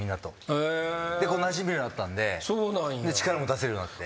なじめるようになったんで力も出せるようになって。